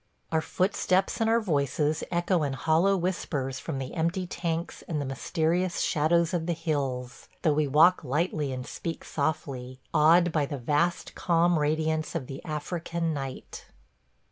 Our footsteps and our voices echo in hollow whispers from the empty Tanks and the mysterious shadows of the hills, though we walk lightly and speak softly, awed by the vast calm radiance of the African night.